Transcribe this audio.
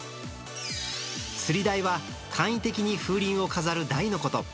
つり台は簡易的に風鈴を飾る台のこと。